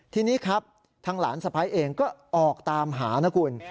ทีนี้ครับทางหลานสะพ้ายเองก็ออกตามหานะคุณ